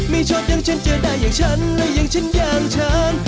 ไม่ชอบอย่างฉันเจอได้อย่างฉันและอย่างฉันอย่างฉัน